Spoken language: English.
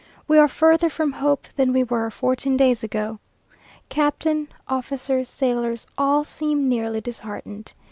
We are further from hope than we were fourteen days ago. Captain, officers, sailors, all seem nearly disheartened.